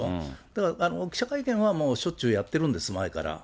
だから、記者会見はもうしょっちゅうやってるんです、前から。